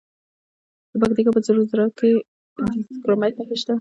د پکتیکا په سروضه کې د کرومایټ نښې شته.